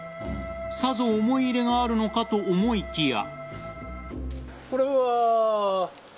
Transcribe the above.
さぞ思い入れがあるのかと思いきや。